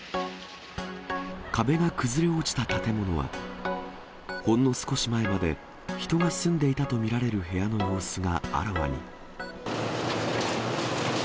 壁が崩れ落ちた建物は、ほんの少し前まで人が住んでいたと見られる部屋の様子があらわに。